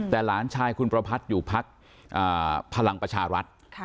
แต่หลานชายคุณประพัทธ์อยู่พักพลังประชารัฐ